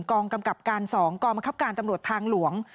กองกำกับการ๒กองบังคับการตำรวจทางหลวง